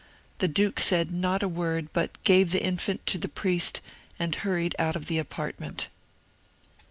The duke said not a word, but gave the infant to the priest, and hurried out of the apartment.